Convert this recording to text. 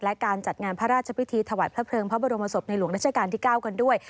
และการจัดงานพระราชพิธีถวายพระเพลิงพระบรมศพในหลวงราชการที่๙กันด้วย